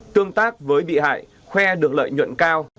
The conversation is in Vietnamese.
tương tác với bị hại khoe được lợi nhuận cao